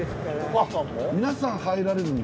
皆さん入られるんだ